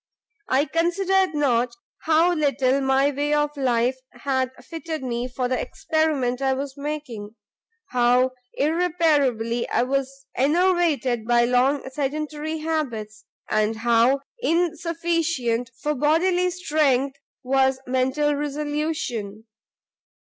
I considered not how little my way of life had fitted me for the experiment I was making, how irreparably I was enervated by long sedentary habits, and how insufficient for bodily strength was mental resolution.